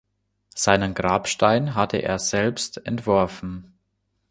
Seinen Grabstein hatte er selbst entworfen.